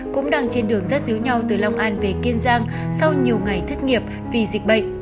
cũng đang trên đường rắt xíu nhau từ long an về kiên giang sau nhiều ngày thất nghiệp vì dịch bệnh